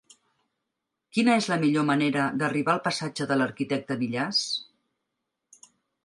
Quina és la millor manera d'arribar al passatge de l'Arquitecte Millàs?